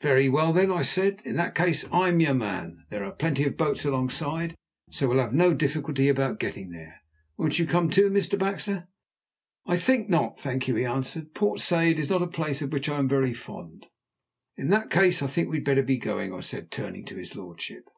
"Very well, then," I said. "In that case I'm your man. There are plenty of boats alongside, so we'll have no difficulty about getting there. Won't you come, too, Mr. Baxter?" "I think not, thank you," he answered. "Port Said is not a place of which I am very fond." "In that case I think we had better be going," I said, turning to his lordship.